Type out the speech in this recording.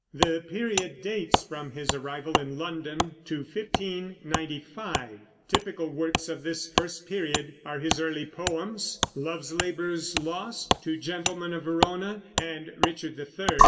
The period dates from his arrival in London to 1595. Typical works of this first period are his early poems, Love's Labour's Lost, Two Gentlemen of Verona, and Richard III.